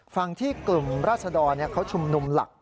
ฝั่งที่กลุ่มราศดรเขาชุมนุมหลัก